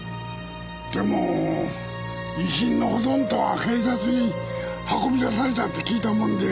でも遺品のほとんどは警察に運び出されたって聞いたもんで。